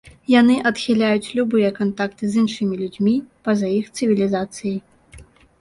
Яны адхіляюць любыя кантакты з іншымі людзьмі па-за іх цывілізацыі.